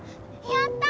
やった！